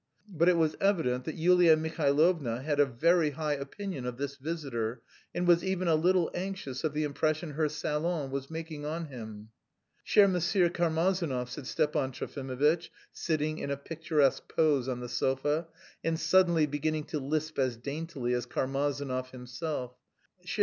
But it was evident that Yulia Mihailovna had a very high opinion of this visitor, and was even a little anxious of the impression her salon was making on him. "Cher M. Karmazinov," said Stepan Trofimovitch, sitting in a picturesque pose on the sofa and suddenly beginning to lisp as daintily as Karmazinov himself, "_cher M.